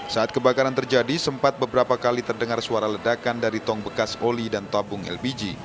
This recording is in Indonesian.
saat kebakaran terjadi sempat beberapa kali terdengar suara ledakan dari tong bekas oli dan tabung lpg